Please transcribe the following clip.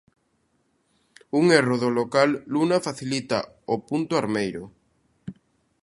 Un erro do local Luna facilita o punto armeiro.